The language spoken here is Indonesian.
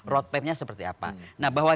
road map nya seperti apa nah bahwa